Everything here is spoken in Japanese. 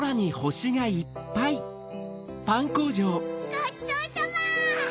・ごちそうさま！